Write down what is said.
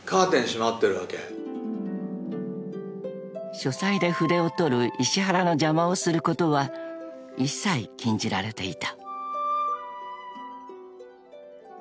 ［書斎で筆を執る石原の邪魔をすることは一切禁じられていた］